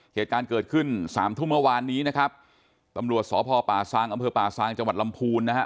เหตุการณ์เกิดขึ้นสามทุ่มเมื่อวานนี้นะครับตำรวจสพป่าซางอำเภอป่าซางจังหวัดลำพูนนะฮะ